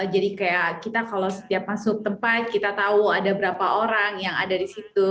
jadi kayak kita kalau setiap masuk tempat kita tahu ada berapa orang yang ada di situ